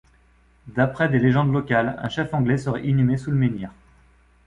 D’après des légendes locales, un chef anglais serait inhumé sous le menhir.